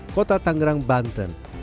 kota tangerang banten